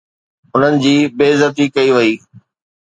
انهن جي بي عزتي ڪئي وئي